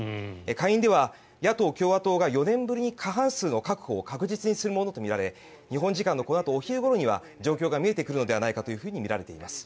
下院では野党・共和党が４年ぶりに過半数の確保を確実にするものとみられ日本時間のこのあと昼ごろには状況が見えてくるのではないかといわれています。